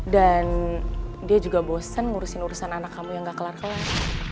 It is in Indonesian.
dan dia juga bosen ngurusin urusan anak kamu yang nggak kelar kelar